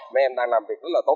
mấy em đang làm việc rất là tốt